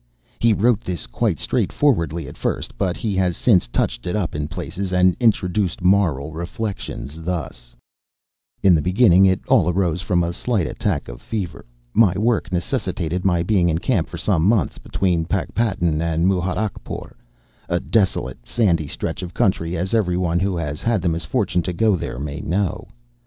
He wrote this quite straightforwardly at first, but he has since touched it up in places and introduced Moral Reflections, thus: In the beginning it all arose from a slight attack of fever. My work necessitated my being in camp for some months between Pakpattan and Muharakpur a desolate sandy stretch of country as every one who has had the misfortune to go there may know.